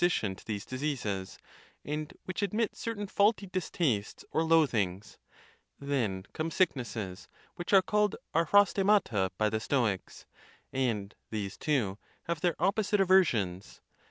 137 tion to these diseases, and which admit certain faulty dis tastes or loathings; then come sicknesses, which are called appworhpara by the Stoics, and these two have their op posite aversious.